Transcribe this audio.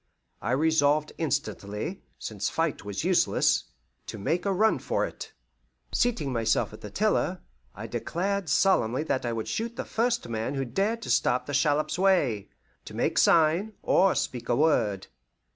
I resolved instantly, since fight was useless, to make a run for it. Seating myself at the tiller, I declared solemnly that I would shoot the first man who dared to stop the shallop's way, to make sign, or speak a word.